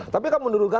tapi kalau menurunkan